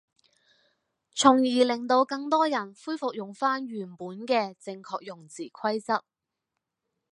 從而令到更多人恢復用返原本嘅正確用字規則